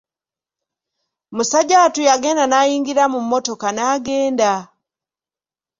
Musajja wattu yagenda n'ayingira mu mmotoka n'agenda.